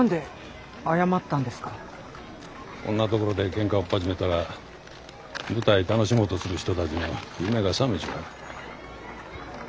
こんな所でケンカおっ始めたら舞台楽しもうとする人たちの夢がさめちまう。